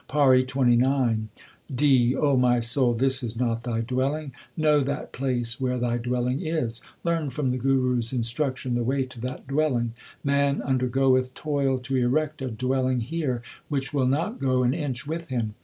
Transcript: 1 PAURI XXIX D. O my soul, this is not thy dwelling ; know that Place 2 where thy dwelling is ; Learn from the Guru s instruction the way to that dwelling. Man undergoeth toil to erect a dwelling here Which will not go an inch with him.